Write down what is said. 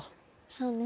そうね。